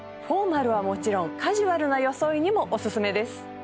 フォーマルはもちろんカジュアルな装いにもおすすめです